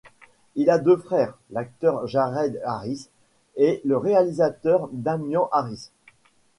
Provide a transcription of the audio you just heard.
Il a deux frères, l'acteur Jared Harris et le réalisateur Damian Harris.